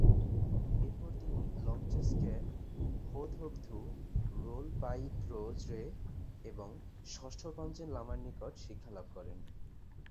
এরপর তিনি তৃতীয় ল্চাং-স্ক্যা হো-থোগ-থু রোল-পা'ই-র্দো-র্জে এবং ষষ্ঠ পাঞ্চেন লামার নিকট শিক্ষালাভ করেন।